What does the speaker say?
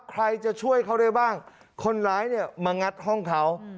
ใครจะช่วยเขาได้บ้างคนร้ายเนี่ยมางัดห้องเขา